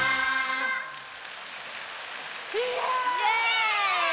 イエーイ！